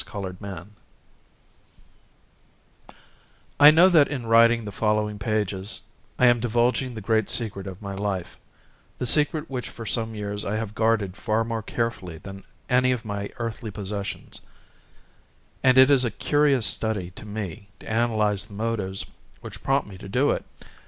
The Publishers I I know that in writing the following pages I am divulging the great secret of my life, the secret which for some years I have guarded far more carefully than any of my earthly possessions; and it is a curious study to me to analyze the motives which prompt me to do it.